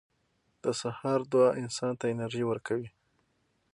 • د سهار دعا انسان ته انرژي ورکوي.